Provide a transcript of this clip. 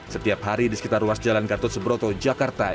setiap hari di sekitar ruas jalan gatot subroto jakarta